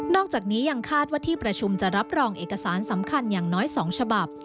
อกจากนี้ยังคาดว่าที่ประชุมจะรับรองเอกสารสำคัญอย่างน้อย๒ฉบับ